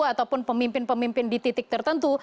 ataupun pemimpin pemimpin di titik tertentu